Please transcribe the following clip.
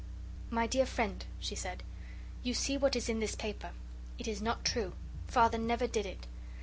"My dear Friend," she said, "you see what is in this paper. It is not true. Father never did it.